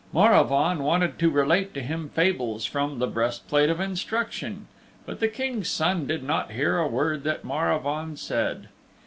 Maravaun wanted to relate to him fables from "The Breastplate of Instruction" but the King's Son did not hear a word that Maravaun said.